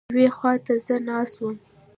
یوې خوا ته زه ناست وم.